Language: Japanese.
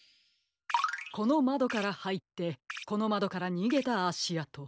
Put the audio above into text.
このまどからはいってこのまどからにげたあしあと。